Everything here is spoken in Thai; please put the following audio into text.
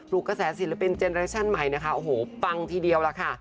กระแสศิลปินเจนเรชั่นใหม่นะคะโอ้โหปังทีเดียวล่ะค่ะ